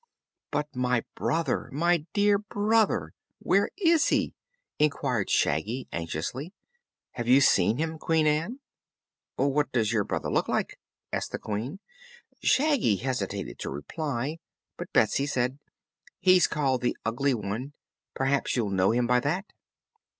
"But my brother my dear brother! Where is he?" inquired Shaggy anxiously. "Have you seen him, Queen Ann?" "What does your brother look like?" asked the Queen. Shaggy hesitated to reply, but Betsy said: "He's called the Ugly One. Perhaps you'll know him by that."